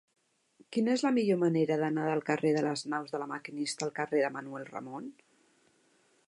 Quina és la millor manera d'anar del carrer de les Naus de La Maquinista al carrer de Manuel Ramon?